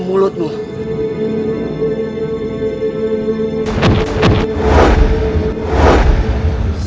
biar aku mengajarmu